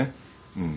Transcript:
うん。